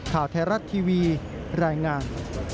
ข่าวไทยรัฐทีวีรายงาน